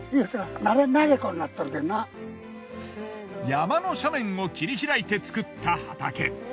山の斜面を切り開いて作った畑。